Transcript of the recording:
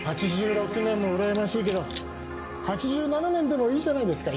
８６年もうらやましいけど８７年でもいいじゃないですか。